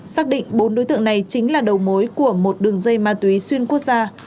xác định bốn đối tượng này chính là đầu mối của một đường dây ma túy xuyên quốc gia